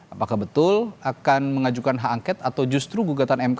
apakah betul akan mengajukan hak angket atau justru gugatan mk